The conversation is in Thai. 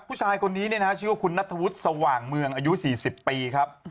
ผู้ชายคนนี้ชื่อว่าคุณนัทธวุฒิสว่างเมืองอายุ๔๐ปีครับ